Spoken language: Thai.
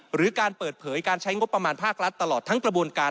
หรือการเปิดเผยการใช้งบประมาณภาครัฐตลอดทั้งกระบวนการ